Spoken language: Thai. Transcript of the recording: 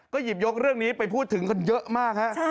หยิบยกเรื่องนี้ไปพูดถึงกันเยอะมากฮะ